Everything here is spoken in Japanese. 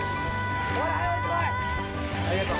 ありがとう。